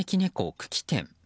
久喜店。